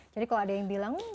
jadi kalau ada yang bilang